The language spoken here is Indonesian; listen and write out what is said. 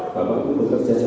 bapak itu pekerja saja